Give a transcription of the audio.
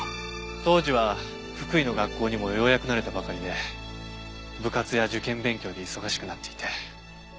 当時は福井の学校にもようやく慣れたばかりで部活や受験勉強で忙しくなっていて。